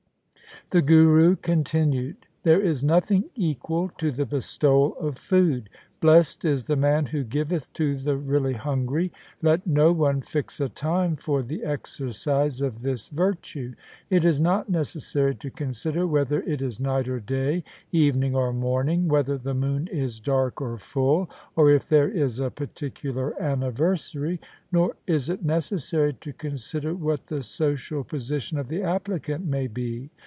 The Guru con tinued :' There is nothing equal to the bestowal of food. Blest is the man who giveth to the really hungry. Let no one fix a time for the exercise of this virtue. It is not necessary to consider whether it is night or day, evening or morning, whether the moon is dark or full, or if there is a particular anniversary. Nor is it necessary to consider what the social position of the applicant may be.